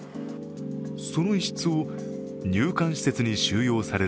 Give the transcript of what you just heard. その１室を入管施設に収容される